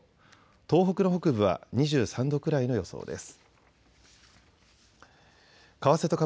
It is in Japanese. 東北の北部は２３度くらいの予想です。